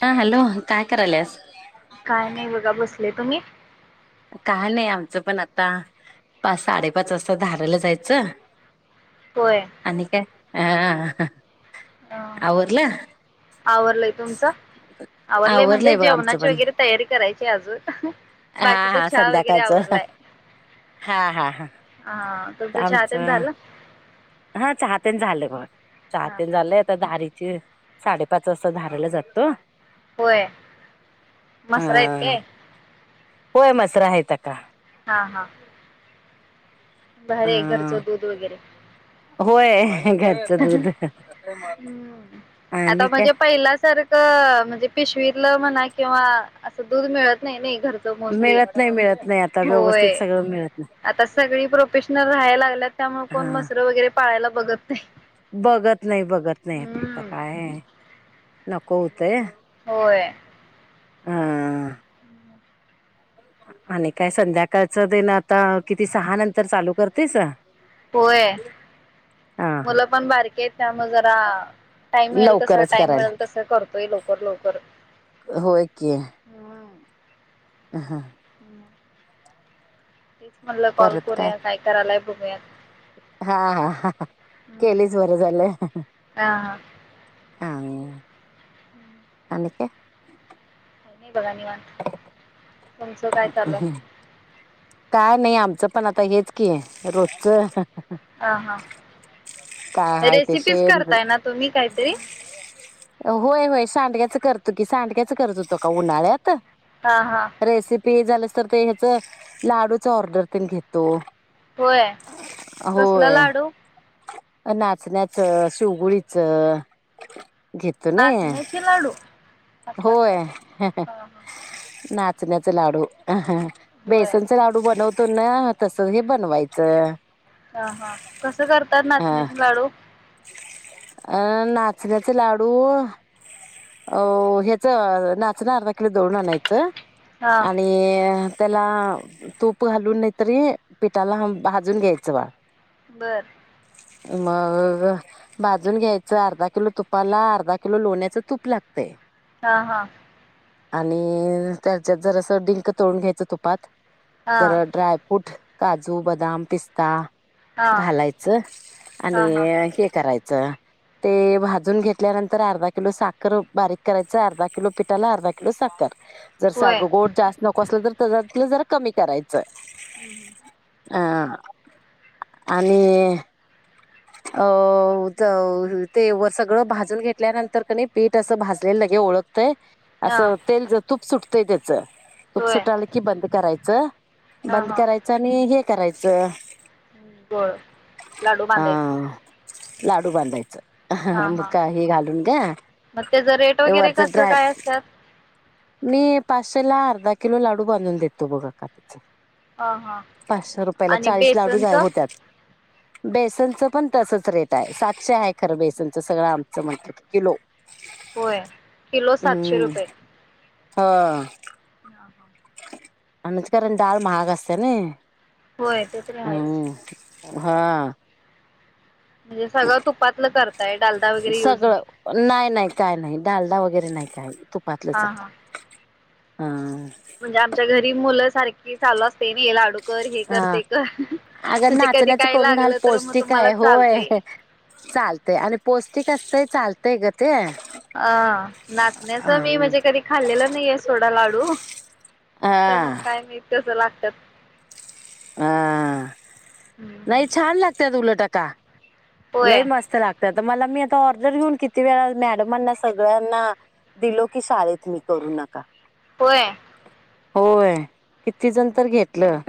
हा हॅलो काय करालीयास काय नाही बघा बसले तुम्ही काय नाही आमचं पण आता पाच-साडेपाच वाजता धारलां जायचं होय आणि काय हह अ आवरलं? आवरलंय तुमचं आवरलंय म्हणजे बघ आमचं जेवणाची पण वगैरे तयारी करायची ते अजून हा बाकी त हा चहा वगैरे संध्याकाळचं आवरलाय हा हा हा हा तुमचा चहा ते आमचं झालं. हा चाहते झालेय बघ हा चाहते हा झालंय आता दहा आारीचे साडेपाच वाजता झाारयला जातो होय अ मसाला येते होय मचरा आहे त का [unintelligible] भर ये घरचं दूध वगैरे. होय. घरचं [inaudible] ह दूध आता आणि काय म्हणजे पहिला सारखं म्हणजे पिशवीतला म्हणा किंवा असं दूध मिळत नाही, नाही. घरच मोसली मिळत नाही मिळत नाही आता व्यवस्थित होय, सगळं मिळत आता सगळी प्रोफेशनल राहायला लागल्यात त्यामुळे नाही कोण हा म्हसर वगैरे पाळायला- बघत. नाही. बघत नाही, बघत नाही, आता हम्म काय. नको हुतय. होय. हा. आणि काय संध्याकाळचं तेण आता किती सहा नंतर चालू करतेस. होय हा मुलं पण बारके आहेत त्यामुळे जरा टाईम मिळेल तस, लवकरच टाइम करायला मिळेल तस, करतोय लवकर-लवकर होय की हम्. ह, हा. तेच म्हटलं कॉल करूया काय करायला. बघूयात. हा, हा, ह केलीच बरं झालं. हा हा हा, आणि काय. काय नाही बघा निवांत. तुमचं काय चालूय हाय. काय नाही आमचं पण आता हेच की आहे रोजच. अ हं काय आहे ते रेसिपीज शेण करताय ना तुम्ही काहीतरी? सांडग्याचं करतो की सांडग्याचं करत होतो का उन्हाळ्यात. हां हां. पी झालंस तर ते ह्याचं लाडूचं ऑर्डर तेन घेतो. होय कसलं होय लाडू? नाचण्याचं, शिवगोळीचं घेतो नई नाचण्याचे लाडू असतात काय होय हा हा ना चण्याचं लाडू. होय बेसनचा लाडू बनवतो नाही हां तसं हे बनवाय च. हां हां कसं करतात नाचण्याचे लाडू? अ नाचण्याचे लाडू अ ह्याचं नाचणं अर्धा किलो दळून आणायचं. हा आणि त्याला तूप घालून नाहीतरी पिठाला भाजून घ्यायचं बाळ बर मग भाजून घ्यायचं अर्धा किलो तुपाला अर्धा किलो लोण्याचं तूप लागतंय. हां हां. आणि त्याच्यात जरसं डिंक तळून घ्यायचं तुपात. हा तर ड्राय फूड काजू, बद बदाम, पिस्ता हा घालायचं हा आणि हा हे करायचं ते भाजून घेतल्यानंतर अर्धा किलो साखर बारीक करायचं, अर्धा किलो पिठाला अर्धा किलो साखर. जर होय सागं गोड जास्त नको असलं ते जरा कमी कराय ह ह. अह आणि अ च व ते व सगळं भाजून घेतल्या नंतर कइन पीठ असं भाजलेलं लगे ओळख तय हा असं तेल ज तूप सुटतंय. [unintelligible] तुप होय सुटालं की बंद करायचं. चं हा बंद करायचं आणि हे करायचं. बरं. लाडू अ बांधायचा लाडू बांधायचा. हा म का हे घालून घ्या, मग त्याचं रेट वगैरे वरचा कसं ड्राय काय असतात मी पाचशे ला आर अर्धा किलो लाडू बांधून देतो, बघा कालचं. हा हा पाचशे रुपयाला आणि चाळीस लाडू बेसनचं होत्यात. बेसनचं पण तसच रेट आहे. सातशे आहे खरं बेसनचं सगळं आमचं म्हटलं कि किलो. होय, किलो सातशे रुपये. हा. या ह. अनच कारण डाळ महाग असते नाय. होय, ते तरी हायचं. हा. म्हणजे सगळं तुपातलं करताय डालडा वगैरे यूज नाही सगळं, नाही नाही काय नाही डालडा वगैरे नाही काही नहीं हा तुपातलंच आता हा हम. म्हणजे आमच्या घरी मुलचं सारखी चालू असतंय नाई लाडू कर हे कर हां ते कर अगं म्हणजे कधी नाचण्याचं काय करून घाल लागलं तर मग पौष्टिक तुम्हाला आहे होय चालते चालतंय आणि पौष्टिक असतंय चालतंय गं ते. अ नाचण्याचं मी अं, म्हणजे कधी खाल्लेलं नाहीये सोडा लाडू त मग हा काय माहित कसं लाग त्यात. अ नाही छान लाग त्यात उलट आता. होय लई मस्त लागतात. आता मला मी आता ऑर्डर घेऊन किती वेळा मॅडमांना सगळ्यांना दिलो की शाळेत मी करून आता. होय. होय. किती जण तर घेतलं.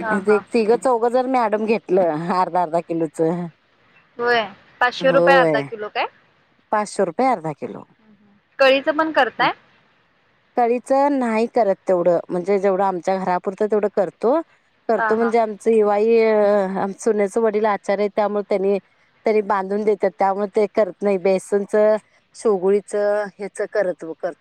हा हा तिघं चौघं जर मॅ डम घेतलं अर्धा अर्धा किलोचं. होय, पाचशे रुपये अर्धा किलो काय? पाचशे रुपये अर्धा किलो हम्म हम्म कळीचं पण करताय? कळीच नाही करत तेवढं म्हणजे, जेवढं आमच्या घरापुरतं तेवढं करतो. हा करतो हा म्हणजे आमच युवा त अ अ सुनेचे वडील आचारी आहे, त्यामुळे त्यांनी त्यांनी बांधून देतात त्यामुळे ते कर नाही बेसनच, शेंगुळीच हेच करतव करतो.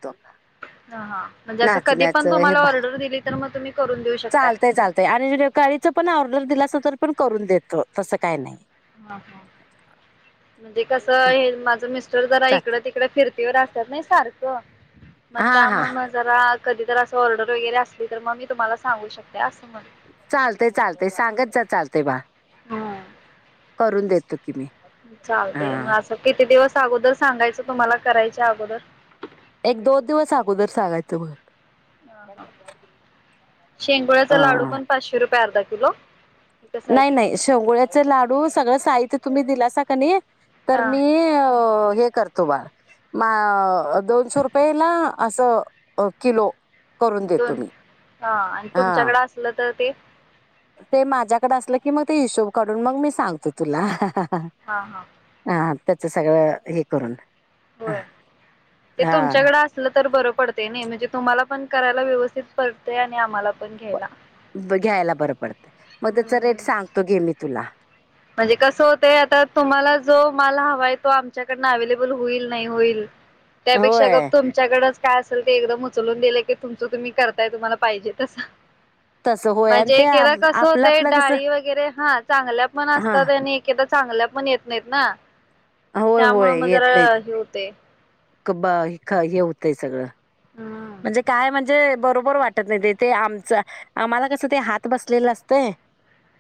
हा हा म्हणजे असं कधी नाचण्याच पण हे तुम्हाला ऑर्डर दिली तर मग तुम्ही करून देऊ शकताय भा-चालतयं चालतयं आणि काळीचं पण ऑर्डर दिलास तर पण करून देतो तसं काही नाही. हा हा, म्हणजे कसं? माझं मिस्टर जरा चा इकड तिकडे फिरत ट्युटी वर असतात नाही सारखं म हा हा त्यामुळं म जरा कधी तर असं ऑर्डर वगैरे असली, तर मग मी तुम्हाला सांगू शकते असं म्हण चालतय चालतय सांगत जा चालतय बाळ. हा. करून देतो. की मी हा चालतयं मग असं किती दिवस? अगोदर सांगायचं तुम्हाला करायच्या अगोदर. एक, दोन दिवस अगोदर सांगायचं मग. शेंगोळ्याचा लाडू हा पण पाचशे रुपये अर्धा [unintelligible] नाही ते नाही शेंगोळ्याचं लाडू सगळं साहित्य तुम्ही दिलासा कनी तर हा मी अ हे करतो बाळ म दोनशे रुपयेला असं अ किलो. करून दोन देतो मी हं आणि हा तुमच्याकडे असलं तर ते? ते माझ्याकडे असलं की मग ते हिशोब काढून मग मी सांगतो तुला. हा हा [inaudible] त्याचं सगळं हे करून. होय ते हा तुमच्याकडे असलं तर बरं पडतंय नाही म्हणजे तुम्हाला पण करायला व्यवस्थित पडतंय आणि आम्हाला पण घ्यायला. घ्यायला बरं पड तय मग त्याचा रेट हम्म सांगतो घे मी तुला. म्हणजे कसं होतंय आता तुम्हाला जो माल हवा आहे तो आमच्याकडनं अवेलेबल होईल नाही होईल त्यापेक्षा होय गप तुमच्याकडच काय असेल ते एकदम उचलून दिलं की तुमचं तुम्ही करताय तुम्हाला पाहिजे तसं. तसं होय आणि म्हणजेे ते एकेकदा कसं आपलं होतंय आपलं कसं डाळी वगैरे हां चांगल्या हा असतात आणि एकेकदा चांगल्या पण येत नाहीत ना. होय त्यामुळं म जरा हे होतंय कबा हे ख हे होतंय सगळं हम्म म्हणजे काय म्हणजे बरोबर वाटत नाही ते ते आमचं आम्हाला कसं ते हात बसलेलं असतंय.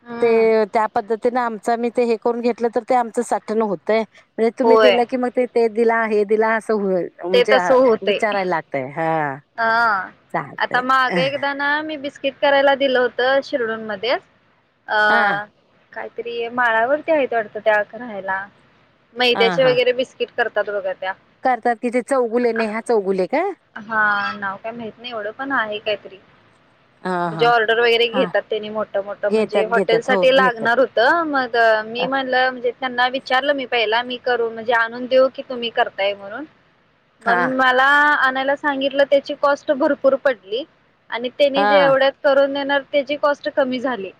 हम्म ते त्या पद्धती तीन आमचं आम्ही ते हे करून घेतलं तर ते आमचं साठणं होतंय. [unintelligible] तुम्ही होय दिलं की मग तेे ते दिला आहे दिलास [unintelligible] म्हणजे विचाराय लागतंय. अ आता मागं एकदा ना मी बि स्कीट करायला दिलं होतं शिरढोणमध्येच अ हा काहीतरी माळावरती आहेत वाटतं त्या क राहायला हा मैद्याचे हा वगैरे बिस्कीट करतात बघा त्या. करतात की तेे चौगुले नेहा चौगुले काय? हां नाव काय माहित नाही एवढं पण आहेत काहीतरी, हा म्हणजे हा ऑर्डर वगैरे हा घेतात त्यांनी मोठं मोठं म्हणजे घेतात घेतात हो हॉटेलसाठी घेतात लागणार होतं मग मी हा म्हणलं म्हणजे त्यांना विचारलं मी पहिला मी करू म्हणजे आणून देऊ की तुम्ही करताय म्हणून? हा मंग मला आ णायला सांगितलं त्याची कॉस्ट भरपूर पडली. आणि हा त्यांनी जे एवढ्यात करून देणार त्याची कॉस्ट कमी झाली.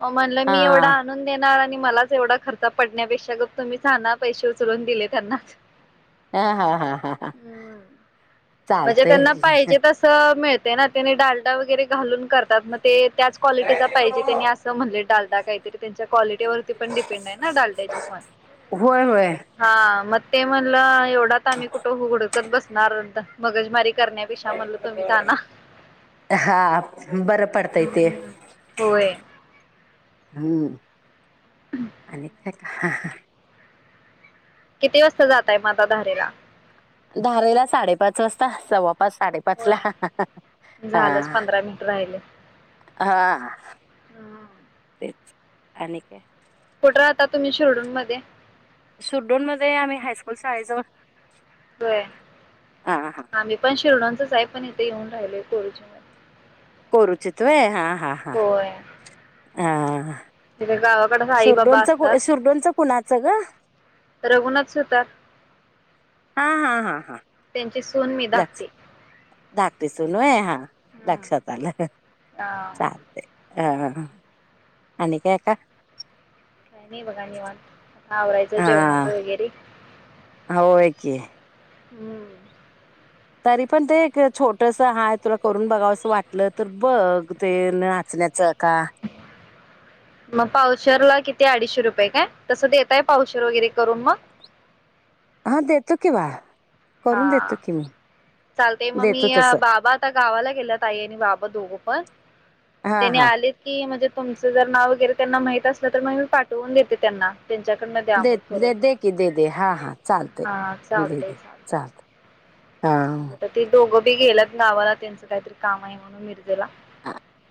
म म्हणलं, मी एवढं हा आणून देणार आणि मलाच एवढा खर्च पडण्यापेक्षा गप तुम्हीच आणा पैसे उचलून दिले त्यांनाच. हां हां हां हां हां. हम्म म्हणजे त्यांना पाहिजे तसं मिळ तय ना त्यांनी डालडा वगैरे घालून करतात म ते त्याच क्वालिटीचा पाहिजे त्यांनी असं म्हणले डाल डा काहीतरी त्यांच्या क्वालिटीवरती पण डिपेंड आहे ना डालड्याच्या पण, होय होय हां म ते म्हणलं एवढं आता आम्ही कुठं हुड [unintelligible] कत बसणार आता मगजमारी [unintelligible] हां बरं पडतंय ते. हम्म होय हम्म. आणि काय [unintelligible] किती वाजता जाताय म आता धारिला? धारेला साडेपाच वाजता सव्वा पाच साडेपाचला होय झालंच हां पंधरा मिनिट राहिले हां तेच. आणि काय? कुठं राहता तुम्ही शिरढोणमध्ये? शिरढोणमध्ये आम्ही हायस्कूल शाळेजवळ. होय हा हा आम्ही पण शिरढोणचच आहे पण इथं येऊन राहिलोय कोरोचीमध्ये. कोरोचीत होय हां हां हां. होय हां हां हां. तिथे गावाकडे आई बाबा शिरढोणचं कू ये असतात शिरढोणचं कुणाचं गं? रघुनाथ सुतार हां हां हां हां. ची सून मी धाकटी. धाकटी सून होय? हां. हम्म लक्षात आलं हा चालतंय. अ आणि काय आता? काय नाही बघा निवांत. आवरायचं जेवणाचं वगैरे. होय की. हम्म. तरी पण ते एक छोटंसं हाय तुला करून बघावंसं वाटलं तर बघ ते नाचण्याचं का मग पावशेरला किती अडीचशे रुपये काय तसं देताय पावशेर वगैरे करून मग? हां देतो की बाळ. करून देतो हां चालतंय मग मी देतो तस बाबा आता गावाला गेल्यात आई आणि बाबा दोघं पण. म हा त्यांनी हा आलीत की म्हणजे तुमचं जर नाव वगैरे त्यांना माहित असलं तर मग मी पाठवून देते त्यांना. त्यांच्याकडनं द्या दे मग दे करून दे की दे दे हां हां चालतंय, हा दे दे चालतंय. [unintelligible] ती दोघं ते गेल्यात गावाला त्याचं काहीतरी काम आहे म्हणून मि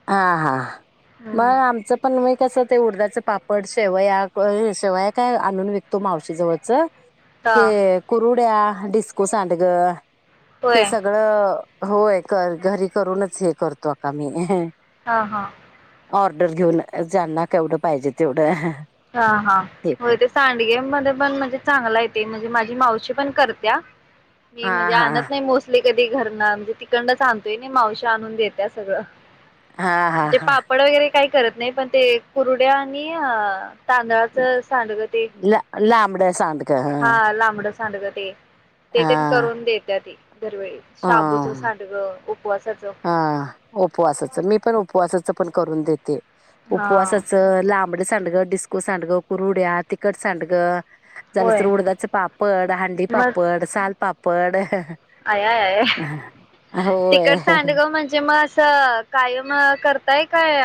हां हां मग हम्म आमचं पण मी कसं ते उडदांच पापड, शेवया शेवया काय आणून विकतो मावशी जवळच हा के कुरुड्या डिस्को सांडगं होय हे सगळं होय कर घरी करूनच हे करतो [unintelligible] हां हां. ऑर्डर घेऊन ज्यांना केवढं पाहिजे तेवढं. हां हां हे होय कर ते सांडगेमध्ये पण म्हणजे चांगलं आहे ते म्हणजे मा झी मावशी पण करत्या. मी हा म्हणजे हा आणत नाही मोस्टली कधी [unintelligible] म्हणजे तिकडणंच आणतोय नाही मावशी आणून देत्या सगळं. हां हां म्हणजे हां. पापड वगैरे काही करत नाही पण ते कुरुड्या आणि अ तांदळाचं सांडगं ते [unintelligible] सांड हा लांबडच. सांडग ते. ते हा तेन, करून देत्या, ती. दरवेळी ह शाबूचं सांडग, उपवासाच. हा च, पण करून देते. उपवासाच लांबड सां. सांडगं, डिस्को सांडगं, कुरुड्या, तिखट सांडगं. झालं तर, होय. उडदाचे पापड, हांडीपापड, सालपापड. पढ. आया, आया. होय तिकट सांडग म्हणजे मग. [unintelligible] कायम करताय. काय.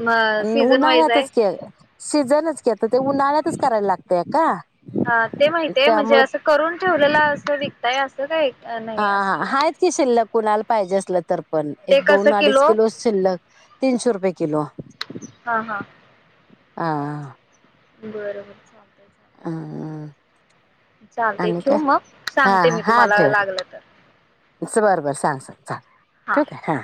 म सीझन वाईज आहे. उन्हाळ्यातच की सीझनच की, आता ते उन्हाळ्यातच करायला लागतय आक्का. हां ते माहितेय म्हणजे असं करून ठेवलेलं असं विक ताय असं नाही. हां असं हां विचार हायत की शिल्लक. कुणाला पाहिजे असलं तर पण ते एक दोन कसं अडीच किलो शिल्लक तीनशे रुपये किलो. हा हा हां हां. बरं बरं चालतंय. चालतंय अं अं. चालतंय ठेऊ मग? हा सांगते मी तुम्हाला लागलं तर. बरं बरं सांग सांग सांग. हा ठेवू काय हां.